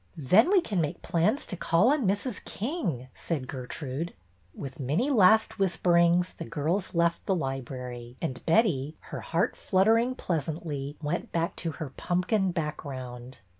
Then we can make plans to call on Mrs. King," said Gertrude. With many last whisperings the girls left the library, and Betty, her heart fluttering pleasantly, went back to her '' Pumpkin Background."